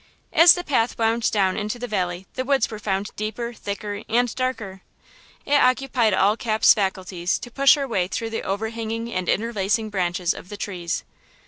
As the path wound down into the valley the woods were found deeper, thicker and darker. It occupied all Cap's faculties to push her way through the overhanging and interlacing branches of the trees.